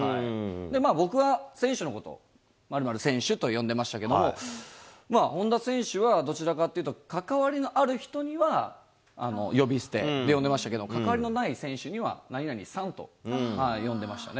まあ、僕は選手のことを、○○選手と呼んでましたけれども、本田選手は、どちらかって言うと、関わりのある人には呼び捨てで呼んでましたけど、関わりのない選手には何々さんと呼んでましたね。